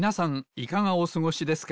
いかがおすごしですか？